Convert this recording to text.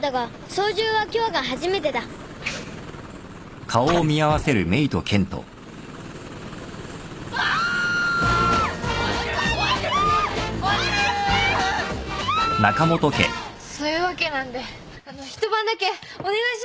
そういうわけなんであの一晩だけお願いします。